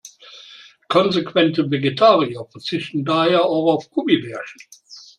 Konsequente Vegetarier verzichten daher auch auf Gummibärchen.